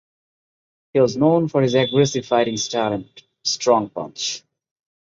He was known for his aggressive fighting style and strong punch.